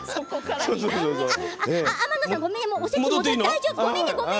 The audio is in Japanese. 天野さん、ごめん。